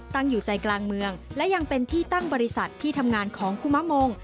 ตั้งอยู่ใจกลางเมืองและยังเป็นที่ตั้งบริษัทที่ทำงานของคุมะมง